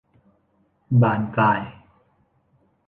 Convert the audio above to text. บานปลาย